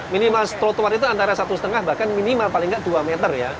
minimal trotoar itu antara satu lima bahkan minimal paling tidak dua meter ya